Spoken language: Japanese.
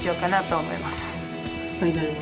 はい。